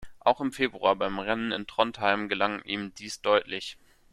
Auch im Februar beim Rennen in Trondheim gelang ihm dies deutlich.